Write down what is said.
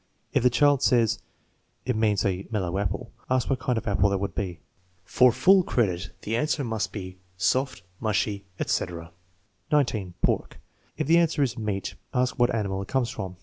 If the child says, "It means a mellow apple," ask what kind of apple that would be. For full credit the answer must be "soft," "mushy," etc. 19. Pork. If the answer is "meat," ask what animal it comes from.